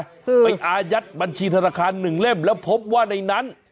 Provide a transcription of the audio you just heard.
คือไปอายัดบัญชีธนาคารหนึ่งเล่มแล้วพบว่าในนั้น